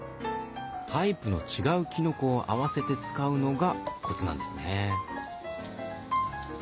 タイプの違うきのこをあわせて使うのがコツなんですね。